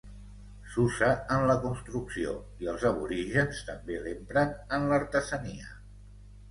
S'usa en la construcció, i els aborígens també l'empren en l'artesania.